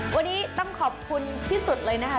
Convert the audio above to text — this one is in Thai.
วันนี้ต้องขอบคุณที่สุดเลยนะคะ